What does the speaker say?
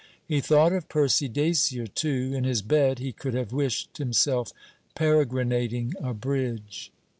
He thought of Percy Dacier too. In his bed he could have wished himself peregrinating a bridge.